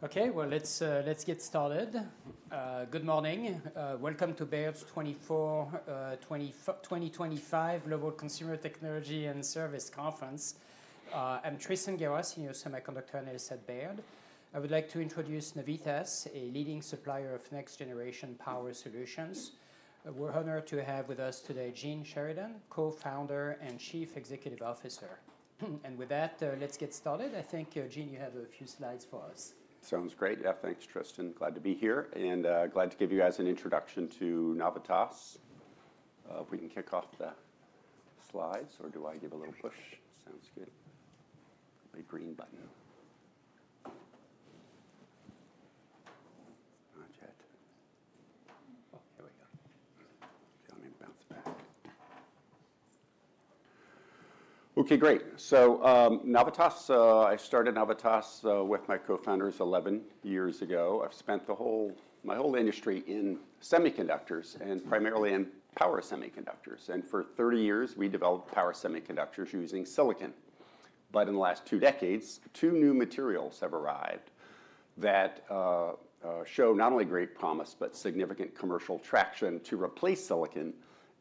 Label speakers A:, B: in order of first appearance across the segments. A: Okay, let's get started. Good morning. Welcome to Baird's 2025 Global Consumer Technology and Service Conference. I'm Tristan Gerra, your Semiconductor analyst at Baird. I would like to introduce Navitas, a leading supplier of next-generation power solutions. We're honored to have with us today Gene Sheridan, Co-founder and Chief Executive Officer. With that, let's get started. I think, Gene, you have a few slides for us.
B: Sounds great. Yeah, thanks, Tristan. Glad to be here. And glad to give you guys an introduction to Navitas. If we can kick off the slides, or do I give a little push? Sounds good. My green button. Not yet. Oh, here we go. Tell me to bounce back. Okay, great. So Navitas, I started Navitas with my co-founders 11 years ago. I've spent my whole industry in Semiconductors, and primarily in Power Semiconductors. For 30 years, we developed Power Semiconductors using silicon. In the last 2 decades, 2 new materials have arrived that show not only great promise, but significant commercial traction to replace silicon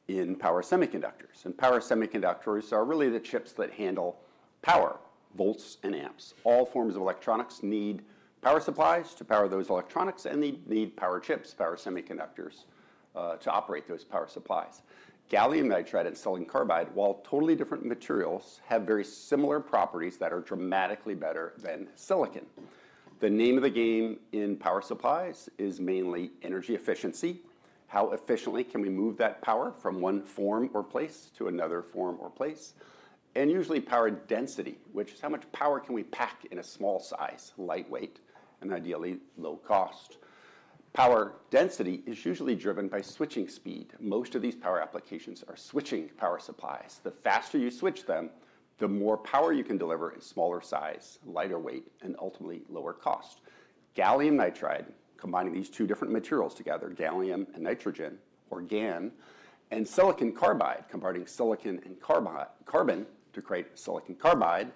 B: in power semiconductors. Power Semiconductors are really the chips that handle power, volts, and amps. All forms of electronics need power supplies to power those electronics, and they need power chips, power semiconductors, to operate those power supplies. gallium nitride and silicon carbide, while totally different materials, have very similar properties that are dramatically better than silicon. The name of the game in power supplies is mainly energy efficiency. How efficiently can we move that power from one form or place to another form or place? Usually power density, which is how much power can we pack in a small size, lightweight, and ideally low cost. Power density is usually driven by switching speed. Most of these power applications are switching power supplies. The faster you switch them, the more power you can deliver in smaller size, lighter weight, and ultimately lower cost. Gallium Nitride, combining these two different materials together, Gallium and Nitrogen, or GaN, and silicon carbide, combining silicon and carbon to create silicon carbide,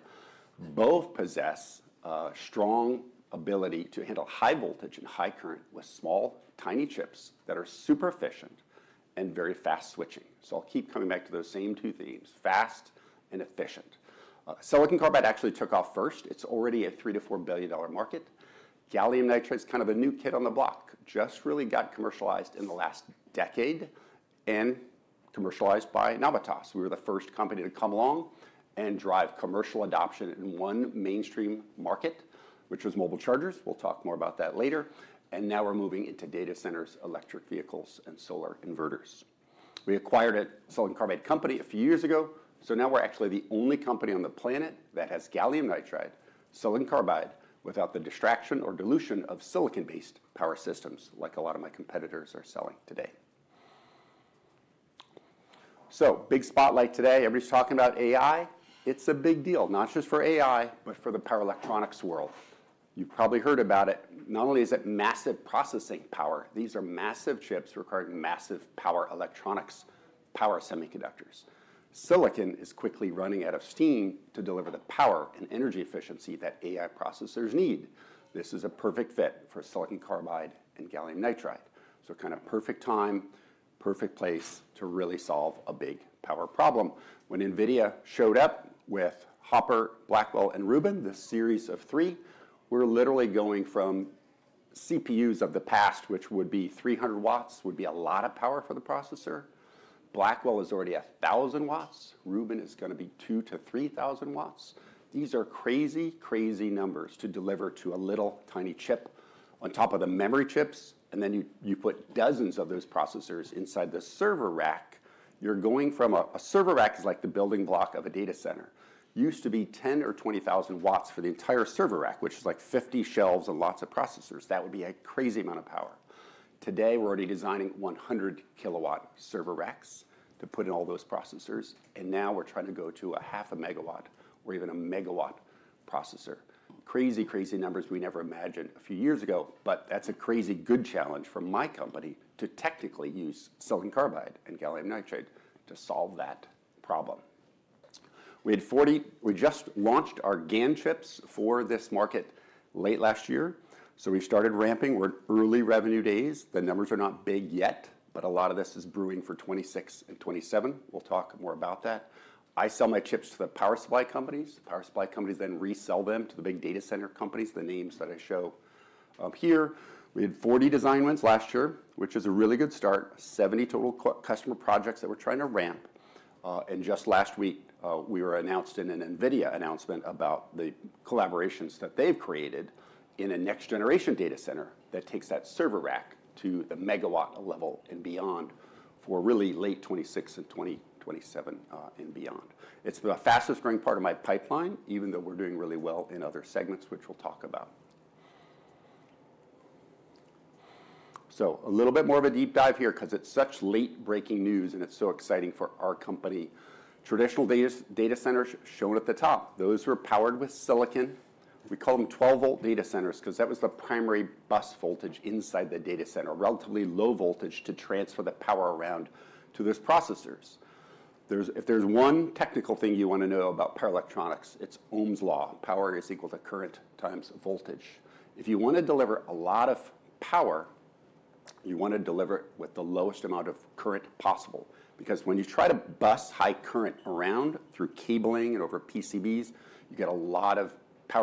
B: both possess a strong ability to handle high voltage and high current with small, tiny chips that are super efficient and very fast switching. I'll keep coming back to those same 2 themes: fast and efficient. Silicon carbide actually took off first. It's already a $3 billion-$4 billion market. Gallium nitride is kind of a new kid on the block, just really got commercialized in the last decade and commercialized by Navitas. We were the first company to come along and drive commercial adoption in one mainstream market, which was mobile chargers. We'll talk more about that later. Now we're moving into data centers, electric vehicles, and solar inverters. We acquired a silicon carbide company a few years ago. Now we're actually the only company on the planet that has gallium nitride, silicon carbide, without the distraction or dilution of silicon-based power systems, like a lot of my competitors are selling today. Big spotlight today. Everybody's talking about AI. It's a big deal, not just for AI, but for the power electronics world. You've probably heard about it. Not only is it massive processing power, these are massive chips requiring massive power electronics, power semiconductors. Silicon is quickly running out of steam to deliver the power and energy efficiency that AI processors need. This is a perfect fit for silicon carbide and gallium nitride. Kind of perfect time, perfect place to really solve a big power problem. When NVIDIA showed up with Hopper, Blackwell, and Rubin, the series of 3, we're literally going from CPUs of the past, which would be 300 watts, would be a lot of power for the processor. Blackwell is already 1,000 watts. Rubin is going to be 2,000-3,000 watts. These are crazy, crazy numbers to deliver to a little tiny chip on top of the memory chips. Then you put dozens of those processors inside the server rack. You're going from a server rack is like the building block of a data center. Used to be 10,000 watts or 20,000 watts for the entire server rack, which is like 50 shelves and lots of processors. That would be a crazy amount of power. Today, we're already designing 100 kilowatt server racks to put in all those processors. Now we're trying to go to 0.5 megawatt or even 1 megawatt processor. Crazy, crazy numbers we never imagined a few years ago. That is a crazy good challenge for my company to technically use silicon carbide and gallium nitride to solve that problem. We just launched our GaN chips for this market late last year. We have started ramping. We're in early revenue days. The numbers are not big yet, but a lot of this is brewing for 2026 and 2027. We'll talk more about that. I sell my chips to the power supply companies. The power supply companies then resell them to the big data center companies, the names that I show here. We had 40 design wins last year, which is a really good start, 70 total customer projects that we're trying to ramp. Just last week, we were announced in an NVIDIA announcement about the collaborations that they've created in a next-generation data center that takes that server rack to the megawatt level and beyond for really late 2026 and 2027 and beyond. It's the fastest growing part of my pipeline, even though we're doing really well in other segments, which we'll talk about. A little bit more of a deep dive here because it's such late-breaking news and it's so exciting for our company. Traditional data centers shown at the top, those were powered with silicon. We call them 12-volt data centers because that was the primary bus voltage inside the data center, relatively low voltage to transfer the power around to those processors. If there's one technical thing you want to know about power electronics, it's Ohm's law. Power is equal to current times voltage. If you want to deliver a lot of power, you want to deliver it with the lowest amount of current possible. Because when you try to bus high current around through cabling and over PCBs, you get a lot of power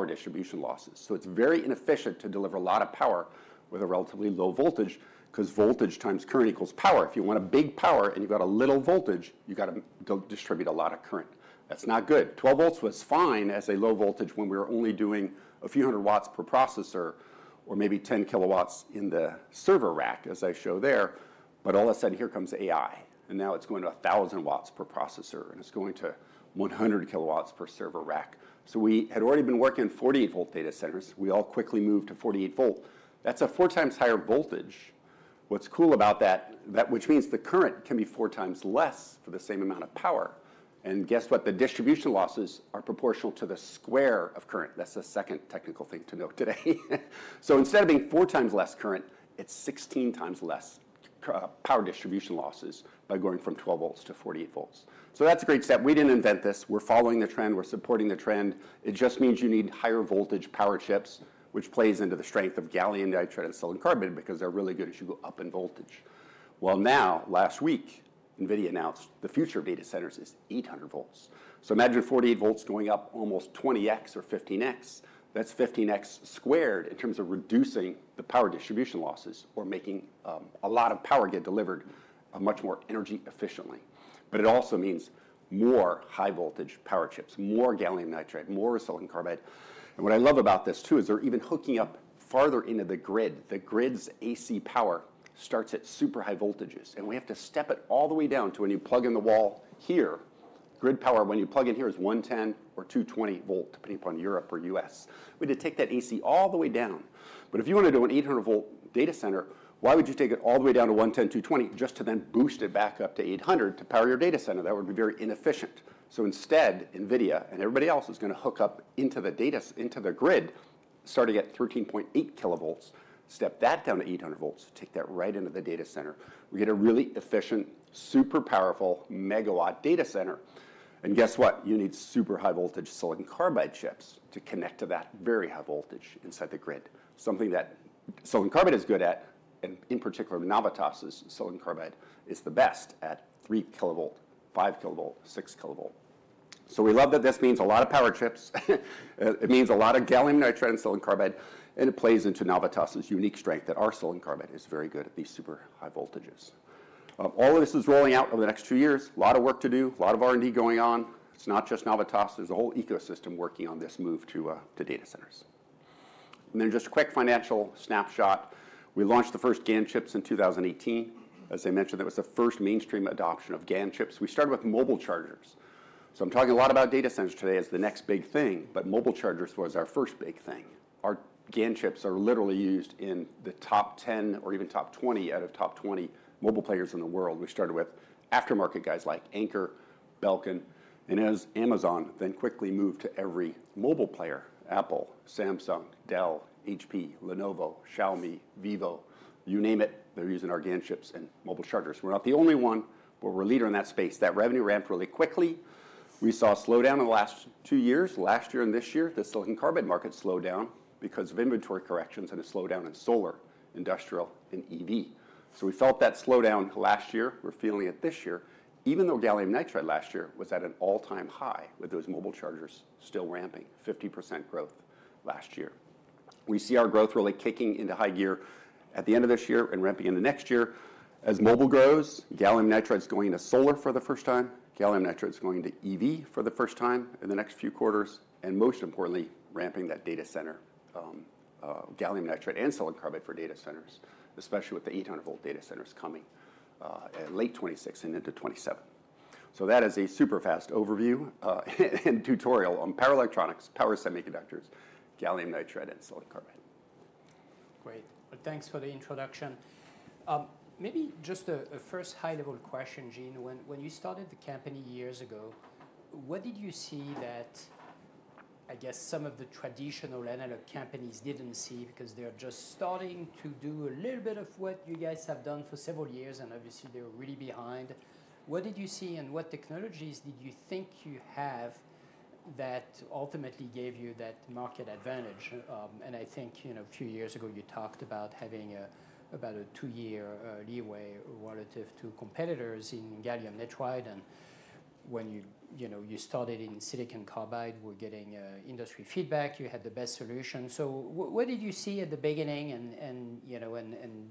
B: distribution losses. It is very inefficient to deliver a lot of power with a relatively low voltage because voltage times current equals power. If you want a big power and you have a little voltage, you have to distribute a lot of current. That is not good. 12 volts was fine as a low voltage when we were only doing a few hundred watts per processor or maybe 10 kilowatts in the server rack, as I show there. All of a sudden, here comes AI. Now it is going to 1,000 watts per processor, and it is going to 100 kilowatts per server rack. We had already been working in 48-volt data centers. We all quickly moved to 48 volt. That's a 4 times higher voltage. What's cool about that, which means the current can be four times less for the same amount of power. And guess what? The distribution losses are proportional to the square of current. That's the second technical thing to note today. Instead of being four times less current, it's 16 times less power distribution losses by going from 12 volts to 48 volts. That's a great step. We didn't invent this. We're following the trend. We're supporting the trend. It just means you need higher voltage power chips, which plays into the strength of gallium nitride and silicon carbide because they're really good as you go up in voltage. Now, last week, NVIDIA announced the future of data centers is 800 volts. Imagine 48 volts going up almost 20x or 15x. That's 15x squared in terms of reducing the power distribution losses or making a lot of power get delivered much more energy efficiently. It also means more high voltage power chips, more gallium nitride, more silicon carbide. What I love about this, too, is they're even hooking up farther into the grid. The grid's AC power starts at super high voltages. We have to step it all the way down to when you plug in the wall here. Grid power, when you plug in here, is 110 volt or 220 volt, depending upon Europe or U.S. We had to take that AC all the way down. If you want to do an 800-volt data center, why would you take it all the way down to 110, 220 just to then boost it back up to 800 to power your data center? That would be very inefficient. Instead, NVIDIA and everybody else is going to hook up into the grid, starting at 13.8 kilovolts, step that down to 800 volts, take that right into the data center. We get a really efficient, super powerful megawatt data center. Guess what? You need super high voltage silicon carbide chips to connect to that very high voltage inside the grid, something that silicon carbide is good at. In particular, Navitas's silicon carbide is the best at 3 kilovolt, 5 kilovolt, 6 kilovolt. We love that this means a lot of power chips. It means a lot of gallium nitride and silicon carbide. It plays into Navitas's unique strength that our silicon carbide is very good at these super high voltages. All of this is rolling out over the next two years. A lot of work to do, a lot of R&D going on. It is not just Navitas. There is a whole ecosystem working on this move to data centers. Just a quick financial snapshot. We launched the first GaN chips in 2018. As I mentioned, that was the first mainstream adoption of GaN chips. We started with mobile chargers. I am talking a lot about data centers today as the next big thing. Mobile chargers was our first big thing. Our GaN chips are literally used in the top 10 or even top 20 out of top 20 mobile players in the world. We started with aftermarket guys like Anker, Belkin. As Amazon then quickly moved to every mobile player, Apple, Samsung, Dell, HP, Lenovo, Xiaomi, Vivo, you name it, they're using our GaN chips in mobile chargers. We're not the only one, but we're a leader in that space. That revenue ramped really quickly. We saw a slowdown in the last two years. Last year and this year, the silicon carbide market slowed down because of inventory corrections and a slowdown in solar, industrial, and EV. We felt that slowdown last year. We're feeling it this year, even though gallium nitride last year was at an all-time high with those mobile chargers still ramping, 50% growth last year. We see our growth really kicking into high gear at the end of this year and ramping into next year. As mobile grows, gallium nitride is going into solar for the first time. Gallium nitride is going into EV for the first time in the next few quarters. Most importantly, ramping that data center, gallium nitride and silicon carbide for data centers, especially with the 800-volt data centers coming in late 2026 and into 2027. That is a super fast overview and tutorial on power electronics, power semiconductors, gallium nitride, and silicon carbide.
A: Great. Thanks for the introduction. Maybe just a first high-level question, Gene. When you started the company years ago, what did you see that, I guess, some of the traditional analog companies did not see because they are just starting to do a little bit of what you guys have done for several years, and obviously, they are really behind. What did you see and what technologies did you think you have that ultimately gave you that market advantage?I think a few years ago, you talked about having about a two-year leeway relative to competitors in gallium nitride. When you started in silicon carbide, we are getting industry feedback you had the best solution. What did you see at the beginning?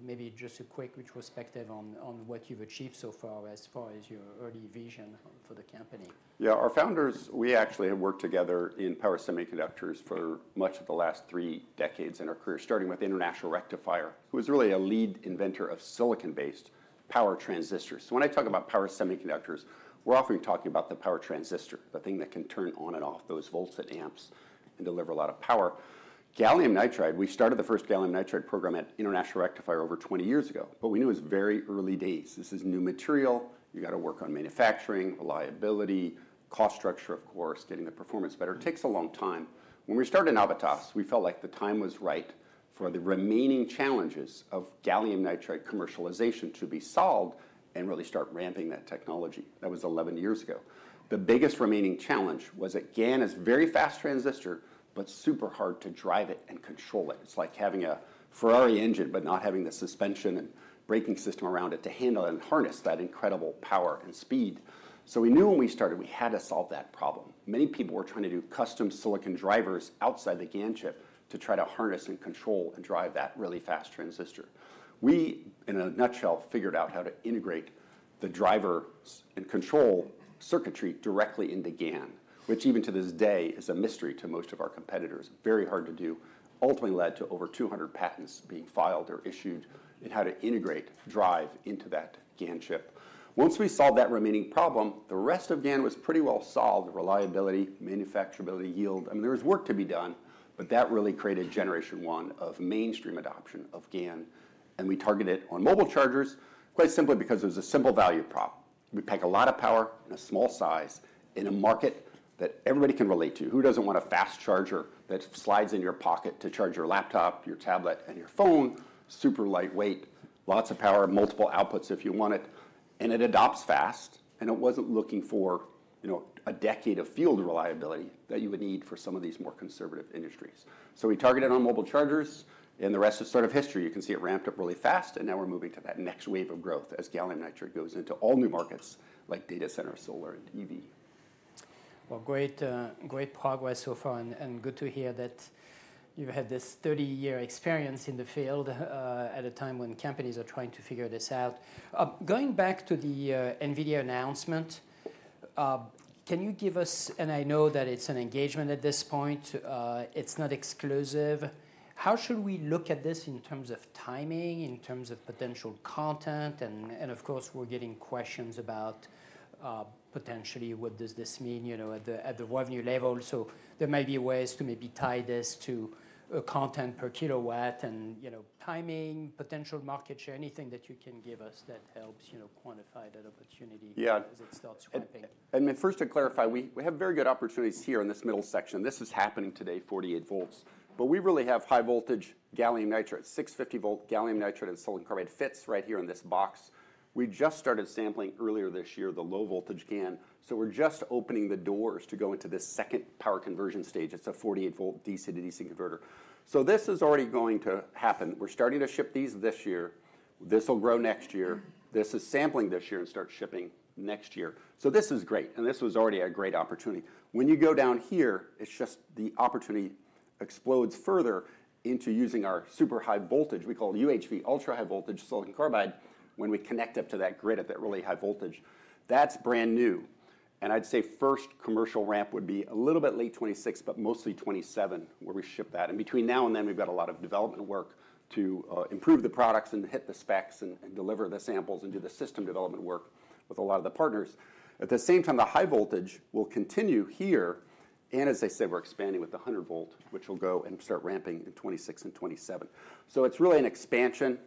A: Maybe just a quick retrospective on what you have achieved so far as far as your early vision for the company.
B: Yeah. Our founders, we actually have worked together in power semiconductors for much of the last three decades in our career, starting with International Rectifier, who was really a lead inventor of silicon-based power transistors. When I talk about power semiconductors, we're often talking about the power transistor, the thing that can turn on and off those volts and amps and deliver a lot of power. Gallium nitride, we started the first gallium nitride program at International Rectifier over 20 years ago, but we knew it was very early days. This is new material. You have to work on manufacturing, reliability, cost structure, of course, getting the performance better. It takes a long time. When we started Navitas, we felt like the time was right for the remaining challenges of gallium nitride commercialization to be solved and really start ramping that technology. That was 11 years ago. The biggest remaining challenge was a GaN is very fast transistor, but super hard to drive it and control it. It's like having a Ferrari engine, but not having the suspension and braking system around it to handle and harness that incredible power and speed. We knew when we started, we had to solve that problem. Many people were trying to do custom silicon drivers outside the GaN chip to try to harness and control and drive that really fast transistor. We, in a nutshell, figured out how to integrate the driver and control circuitry directly into GaN, which even to this day is a mystery to most of our competitors. Very hard to do. Ultimately led to over 200 patents being filed or issued in how to integrate drive into that GaN chip. Once we solved that remaining problem, the rest of GaN was pretty well solved. Reliability, manufacturability, yield. I mean, there was work to be done, but that really created generation one of mainstream adoption of GaN. We targeted it on mobile chargers, quite simply because there is a simple value prop. We pack a lot of power in a small size in a market that everybody can relate to. Who does not want a fast charger that slides in your pocket to charge your laptop, your tablet, and your phone? Super lightweight, lots of power, multiple outputs if you want it. It adopts fast. It was not looking for a decade of field reliability that you would need for some of these more conservative industries. We targeted on mobile chargers. The rest is sort of history. You can see it ramped up really fast. We're moving to that next wave of growth as gallium nitride goes into all new markets like data center, solar, and EV.
A: Great progress so far. Good to hear that you've had this 30-year experience in the field at a time when companies are trying to figure this out. Going back to the NVIDIA announcement, can you give us, and I know that it's an engagement at this point, it's not exclusive. How should we look at this in terms of timing, in terms of potential content? Of course, we're getting questions about potentially what does this mean at the revenue level. There might be ways to maybe tie this to a content per kilowatt and timing, potential market share, anything that you can give us that helps quantify that opportunity as it starts ramping.
B: Yeah. First, to clarify, we have very good opportunities here in this middle section. This is happening today, 48 volts. We really have high voltage gallium nitride, 650 volt gallium nitride, and silicon carbide fits right here in this box. We just started sampling earlier this year the low voltage GaN. We are just opening the doors to go into this second power conversion stage. It is a 48 volt DC to DC converter. This is already going to happen. We are starting to ship these this year. This will grow next year. This is sampling this year and will start shipping next year. This is great. This was already a great opportunity. When you go down here, it's just the opportunity explodes further into using our super high voltage we call UHV, ultra high voltage silicon carbide, when we connect up to that grid at that really high voltage. That's brand new. I'd say first commercial ramp would be a little bit late 2026, but mostly 2027 where we ship that. Between now and then, we've got a lot of development work to improve the products and hit the specs and deliver the samples and do the system development work with a lot of the partners. At the same time, the high voltage will continue here. As I said, we're expanding with the 100 volt, which will go and start ramping in 2026 and 2027. It's really an expansion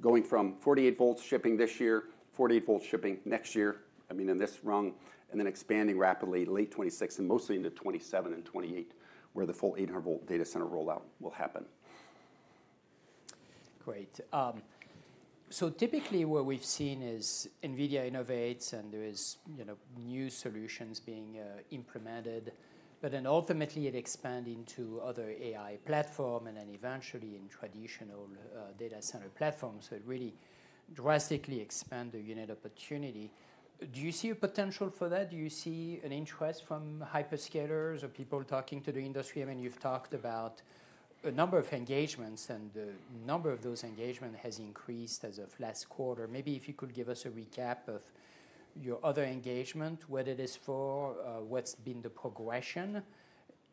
B: going from 48 volt shipping this year, 48 volt shipping next year, I mean, in this rung, and then expanding rapidly late 2026 and mostly into 2027 and 2028, where the full 800 volt data center rollout will happen.
A: Great. Typically, what we've seen is NVIDIA innovates, and there are new solutions being implemented. Ultimately, it expands into other AI platforms and then eventually in traditional data center platforms. It really drastically expands the unit opportunity. Do you see a potential for that? Do you see an interest from hyperscalers or people talking to the industry? I mean, you've talked about a number of engagements, and the number of those engagements has increased as of last quarter. Maybe if you could give us a recap of your other engagement, what it is for, what's been the progression,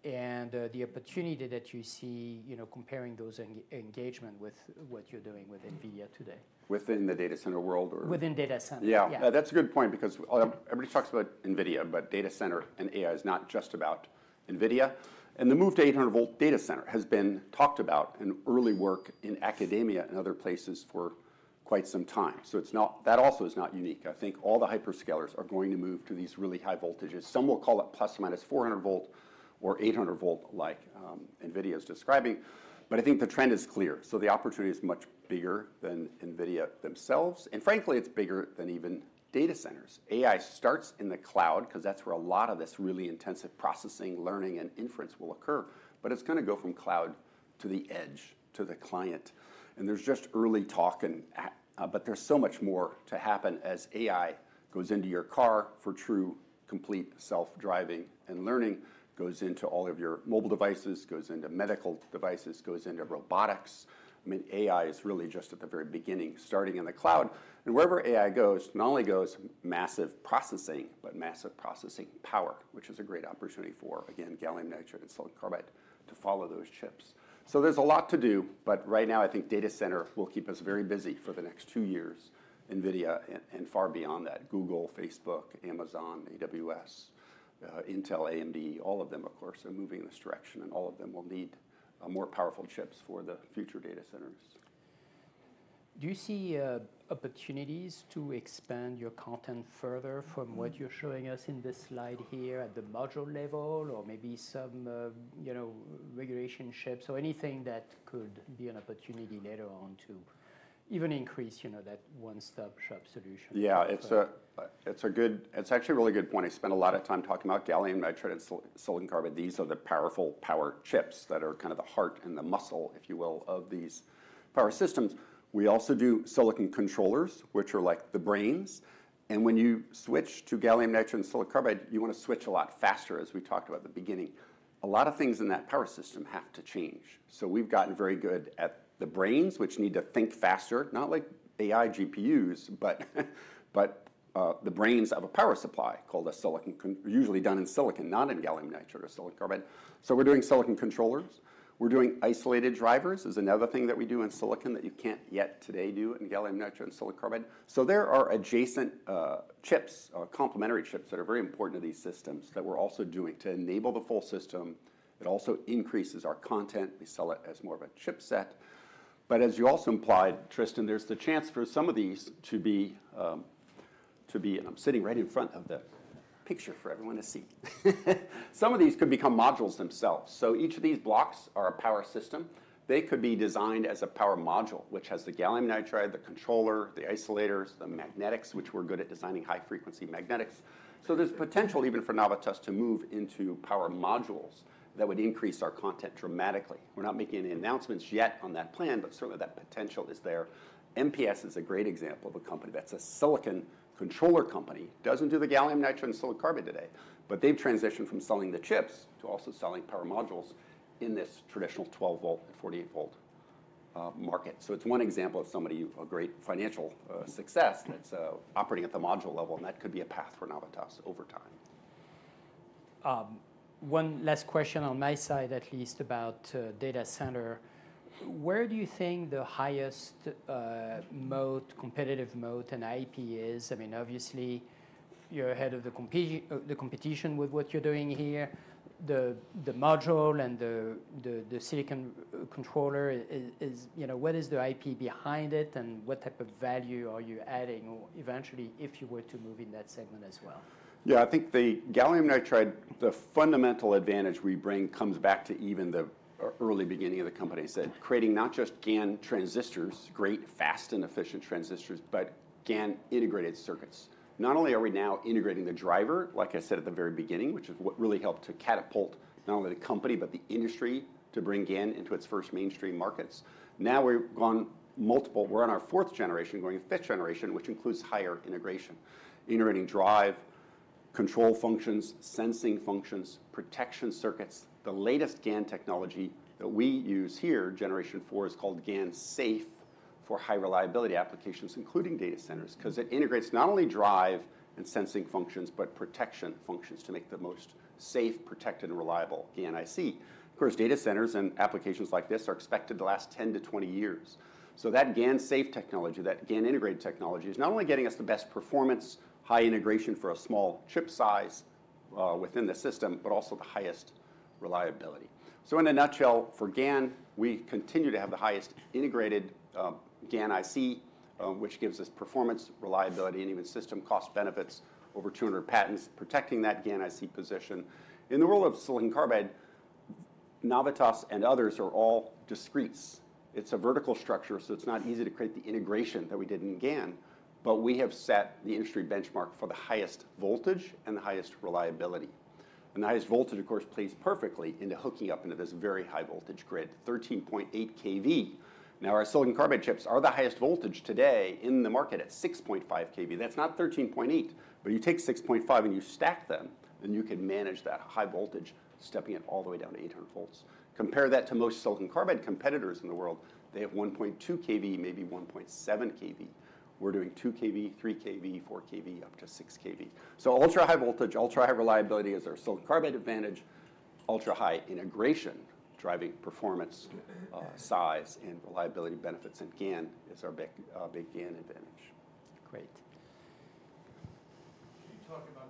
A: and the opportunity that you see comparing those engagements with what you're doing with NVIDIA today.
B: Within the data center world or.
A: Within data centers.
B: Yeah. That's a good point because everybody talks about NVIDIA, but data center and AI is not just about NVIDIA. The move to 800 volt data center has been talked about and early work in academia and other places for quite some time. That also is not unique. I think all the hyperscalers are going to move to these really high voltages. Some will call it plus or minus 400 volt or 800 volt like NVIDIA is describing. I think the trend is clear. The opportunity is much bigger than NVIDIA themselves. Frankly, it's bigger than even data centers. AI starts in the cloud because that's where a lot of this really intensive processing, learning, and inference will occur. It's going to go from cloud to the edge to the client. There's just early talk. There is so much more to happen as AI goes into your car for true complete self-driving and learning goes into all of your mobile devices, goes into medical devices, goes into robotics. I mean, AI is really just at the very beginning, starting in the cloud. Wherever AI goes, not only goes massive processing, but massive processing power, which is a great opportunity for, again, gallium nitride and silicon carbide to follow those chips. There is a lot to do. Right now, I think data center will keep us very busy for the next two years, NVIDIA and far beyond that, Google, Facebook, Amazon, AWS, Intel, AMD, all of them, of course, are moving in this direction. All of them will need more powerful chips for the future data centers.
A: Do you see opportunities to expand your content further from what you're showing us in this slide here at the module level or maybe some regulation chips or anything that could be an opportunity later on to even increase that one-stop-shop solution?
B: Yeah. It's a good, it's actually a really good point. I spent a lot of time talking about gallium nitride and silicon carbide. These are the powerful power chips that are kind of the heart and the muscle, if you will, of these power systems. We also do silicon controllers, which are like the brains. When you switch to gallium nitride and silicon carbide, you want to switch a lot faster, as we talked about at the beginning. A lot of things in that power system have to change. We've gotten very good at the brains, which need to think faster, not like AI GPUs, but the brains of a power supply called a silicon, usually done in silicon, not in gallium nitride or silicon carbide. We're doing silicon controllers. We're doing isolated drivers, is another thing that we do in silicon that you can't yet today do in gallium nitride and silicon carbide. There are adjacent chips, complementary chips that are very important to these systems that we're also doing to enable the full system. It also increases our content. We sell it as more of a chip set. As you also implied, Tristan, there's the chance for some of these to be, and I'm sitting right in front of the picture for everyone to see, some of these could become modules themselves. Each of these blocks are a power system. They could be designed as a power module, which has the gallium nitride, the controller, the isolators, the magnetics, which we're good at designing high-frequency magnetics. There's potential even for Navitas to move into power modules that would increase our content dramatically. We're not making any announcements yet on that plan, but certainly that potential is there. MPS is a great example of a company that's a silicon controller company. Doesn't do the gallium nitride and silicon carbide today, but they've transitioned from selling the chips to also selling power modules in this traditional 12 volt and 48 volt market. It is one example of somebody, a great financial success that's operating at the module level. That could be a path for Navitas over time.
A: One last question on my side, at least about data center. Where do you think the highest moat, competitive moat, and IP is? I mean, obviously, you're ahead of the competition with what you're doing here. The module and the silicon controller, what is the IP behind it, and what type of value are you adding eventually if you were to move in that segment as well?
B: Yeah. I think the gallium nitride, the fundamental advantage we bring comes back to even the early beginning of the company. It's that creating not just GaN transistors, great, fast, and efficient transistors, but GaN integrated circuits. Not only are we now integrating the driver, like I said at the very beginning, which is what really helped to catapult not only the company, but the industry to bring GaN into its first mainstream markets. Now we've gone multiple, we're on our fourth generation, going to fifth generation, which includes higher integration, integrating drive, control functions, sensing functions, protection circuits. The latest GaN technology that we use here, generation four, is called GaN Safe for high reliability applications, including data centers, because it integrates not only drive and sensing functions, but protection functions to make the most safe, protected, and reliable GaN IC. Of course, data centers and applications like this are expected to last 10 to 20 years. That GaNSafe technology, that GaN integrated technology is not only getting us the best performance, high integration for a small chip size within the system, but also the highest reliability. In a nutshell, for GaN, we continue to have the highest integrated GaN IC, which gives us performance, reliability, and even system cost benefits. Over 200 patents protecting that GaN IC position. In the world of silicon carbide, Navitas and others are all discretes. It is a vertical structure, so it is not easy to create the integration that we did in GaN, but we have set the industry benchmark for the highest voltage and the highest reliability. The highest voltage, of course, plays perfectly into hooking up into this very high voltage grid, 13.8 kV. Now our silicon carbide chips are the highest voltage today in the market at 6.5 kV. That's not 13.8, but you take 6.5 and you stack them, and you can manage that high voltage, stepping it all the way down to 800 volts. Compare that to most silicon carbide competitors in the world. They have 1.2 kV, maybe 1.7 kV. We're doing 2 kV, 3 kV, 4 kV, up to 6 kV. Ultra high voltage, ultra high reliability is our silicon carbide advantage. Ultra high integration, driving performance, size, and reliability benefits. And GaN is our big GaN advantage.
A: Great. Can you talk about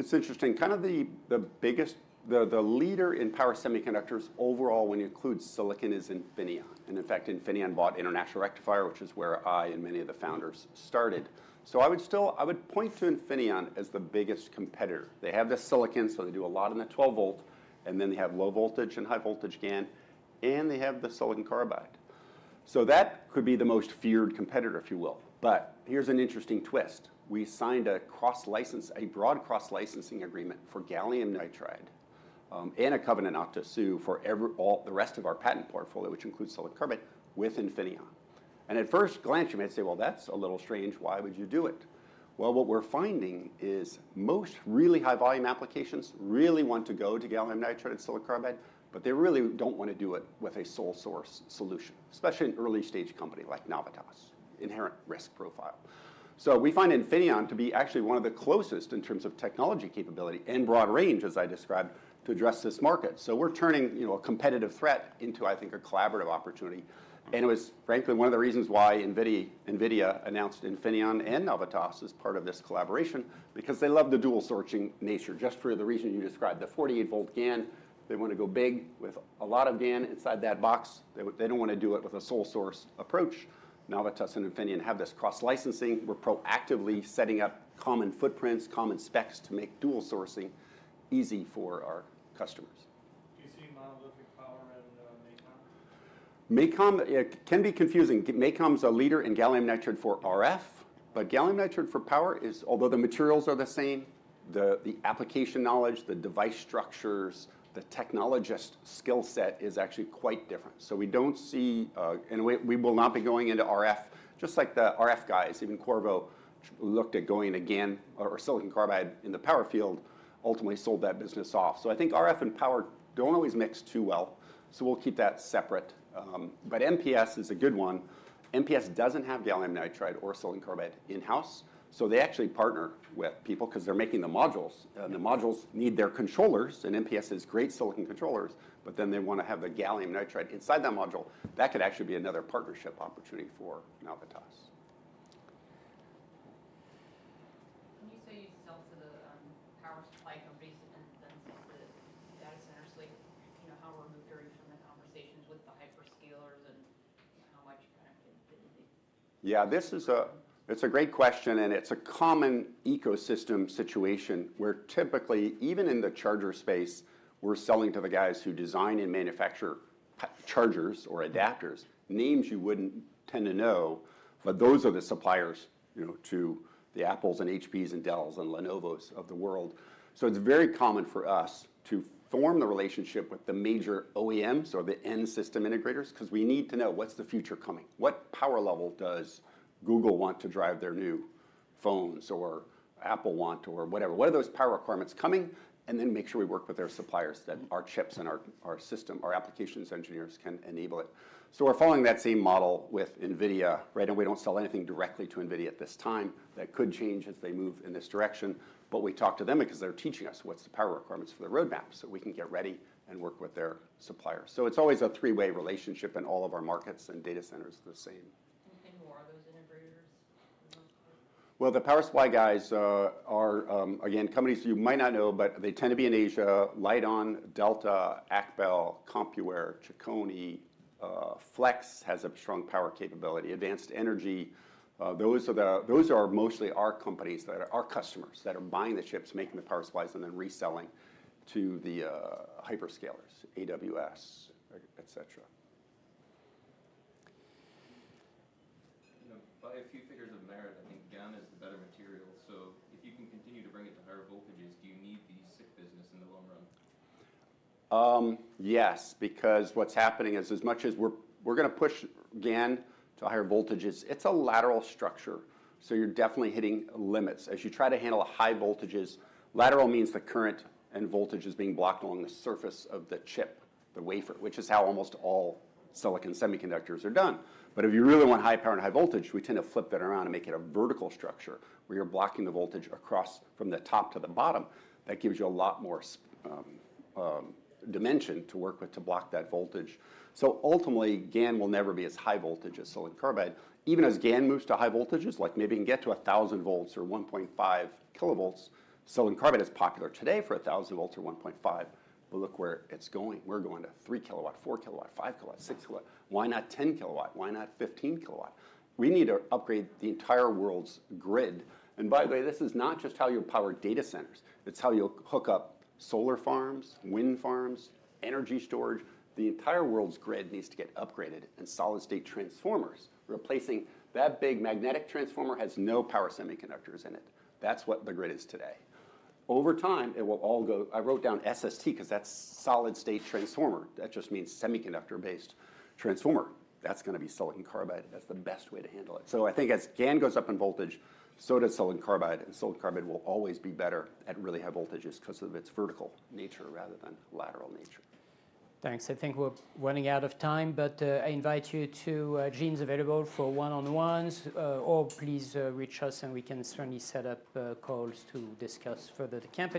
A: competition? There's a lot of providers here that are in the 48-volt area right now that have GaN capability that, quite frankly, no one will have made 100. So who do you fear the most as it relates to scale and technology?
B: It's interesting. Kind of the biggest, the leader in power semiconductors overall when you include silicon is Infineon. In fact, Infineon bought International Rectifier, which is where I and many of the founders started. I would point to Infineon as the biggest competitor. They have the silicon, so they do a lot in the 12 volt, and then they have low voltage and high voltage GaN, and they have the silicon carbide. That could be the most feared competitor, if you will. Here's an interesting twist. We signed a broad cross-licensing agreement for gallium nitride and a covenant not to sue for the rest of our patent portfolio, which includes silicon carbide, with Infineon. At first glance, you may say, that's a little strange. Why would you do it? What we're finding is most really high volume applications really want to go to gallium nitride and silicon carbide, but they really do not want to do it with a sole source solution, especially an early stage company like Navitas, inherent risk profile. We find Infineon to be actually one of the closest in terms of technology capability and broad range, as I described, to address this market. We are turning a competitive threat into, I think, a collaborative opportunity. It was, frankly, one of the reasons why NVIDIA announced Infineon and Navitas as part of this collaboration, because they love the dual sourcing nature. Just for the reason you described, the 48 volt GaN, they want to go big with a lot of GaN inside that box. They do not want to do it with a sole source approach. Navitas and Infineon have this cross-licensing. We're proactively setting up common footprints, common specs to make dual sourcing easy for our customers. Do you see Monolithic Power and MACOM? MACOM can be confusing. MACOM is a leader in gallium nitride for RF, but gallium nitride for power is, although the materials are the same, the application knowledge, the device structures, the technologist skill set is actually quite different. We do not see, and we will not be going into RF, just like the RF guys, even Qorvo looked at going again, or silicon carbide in the power field, ultimately sold that business off. I think RF and power do not always mix too well, so we will keep that separate. MPS is a good one. MPS does not have gallium nitride or silicon carbide in-house, so they actually partner with people because they are making the modules, and the modules need their controllers, and MPS has great silicon controllers, but then they want to have the gallium nitride inside that module. That could actually be another partnership opportunity for Navitas. When you say you sell to the power supply companies and then sell to data centers, how are we moving from the conversations with the hyperscalers and how much kind of didn't they? Yeah, this is a great question, and it's a common ecosystem situation where typically, even in the charger space, we're selling to the guys who design and manufacture chargers or adapters, names you wouldn't tend to know, but those are the suppliers to the Apples and HPs and Dells and Lenovos of the world. It is very common for us to form the relationship with the major OEMs or the end system integrators because we need to know what's the future coming. What power level does Google want to drive their new phones or Apple want or whatever? What are those power requirements coming? Then make sure we work with their suppliers that our chips and our system, our applications engineers can enable it. We're following that same model with NVIDIA. Right now, we don't sell anything directly to NVIDIA at this time. That could change as they move in this direction, but we talk to them because they're teaching us what's the power requirements for the roadmap so we can get ready and work with their suppliers. It is always a three-way relationship in all of our markets and data centers the same. Anything more of those integrators? The power supply guys are, again, companies you might not know, but they tend to be in Asia: Lite-On, Delta, Akbel, Compal, Chicony, Flex has a strong power capability, Advanced Energy. Those are mostly our companies that are our customers that are buying the chips, making the power supplies, and then reselling to the hyperscalers, AWS, etc. A few figures of merit. I think GaN is the better material. So if you can continue to bring it to higher voltages, do you need the SiC business in the long run? Yes, because what's happening is as much as we're going to push GaN to higher voltages, it's a lateral structure. You're definitely hitting limits. As you try to handle high voltages, lateral means the current and voltage is being blocked along the surface of the chip, the wafer, which is how almost all silicon semiconductors are done. If you really want high power and high voltage, we tend to flip that around and make it a vertical structure where you're blocking the voltage across from the top to the bottom. That gives you a lot more dimension to work with to block that voltage. Ultimately, GaN will never be as high voltage as silicon carbide. Even as GaN moves to high voltages, like maybe you can get to 1,000 volts or 1.5 kilovolts, silicon carbide is popular today for 1,000 volts or 1.5, but look where it's going. We're going to 3 kilowatt, 4 kilowatt, 5 kilowatt, 6 kilowatt. Why not 10 kilowatt? Why not 15 kilowatt? We need to upgrade the entire world's grid. By the way, this is not just how you power data centers. It's how you hook up solar farms, wind farms, energy storage. The entire world's grid needs to get upgraded and solid-state transformers. Replacing that big magnetic transformer has no power semiconductors in it. That's what the grid is today. Over time, it will all go, I wrote down SST because that's solid-state transformer. That just means semiconductor-based transformer. That's going to be silicon carbide. That's the best way to handle it. I think as GaN goes up in voltage, so does silicon carbide, and silicon carbide will always be better at really high voltages because of its vertical nature rather than lateral nature.
A: Thanks. I think we're running out of time, but I invite you to Gene's available for one-on-ones, or please reach us and we can certainly set up calls to discuss further the company.